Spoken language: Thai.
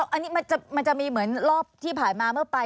อันนี้มันจะมีเหมือนรอบที่ผ่านมาเมื่อไป